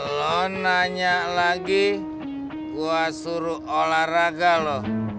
lo nanya lagi gue suruh olahraga lo